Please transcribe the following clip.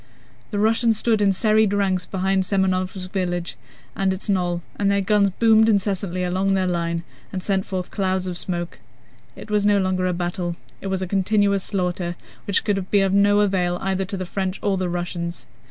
The Russians stood in serried ranks behind Semënovsk village and its knoll, and their guns boomed incessantly along their line and sent forth clouds of smoke. It was no longer a battle: it was a continuous slaughter which could be of no avail either to the French or the Russians.